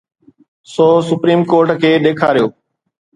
سو supreme court کي ڏيکاريو.